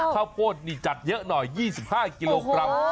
ข้าวโพดนี่จัดเยอะหน่อย๒๕กิโลกรัม